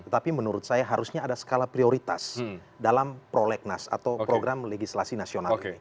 tapi menurut saya harusnya ada skala prioritas dalam prolegnas atau program legislasi nasional